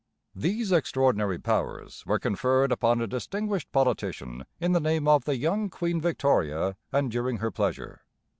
These extraordinary powers were conferred upon a distinguished politician in the name of the young Queen Victoria and during her pleasure.